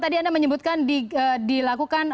tadi anda menyebutkan dilakukan